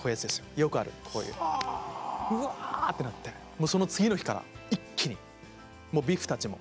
よくあるこういううわってなってもうその次の日から一気にもうビフたちも。